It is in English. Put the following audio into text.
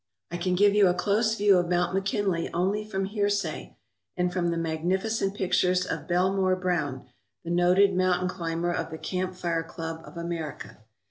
I can give you a close view of Mount McKinley only from hearsay and from the magnificent pictures of Bel : more Browne, the noted mountain climber of the Camp Fire Club of America.